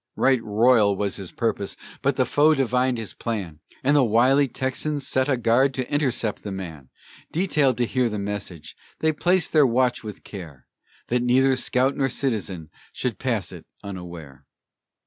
Right royal was his purpose, but the foe divined his plan, And the wily Texans set a guard to intercept the man Detailed to bear the message; they placed their watch with care That neither scout nor citizen should pass it unaware.